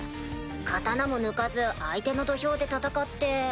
刀も抜かず相手の土俵で戦って。